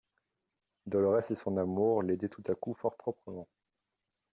Dolorès et son amour l'aidaient tout à coup fort proprement.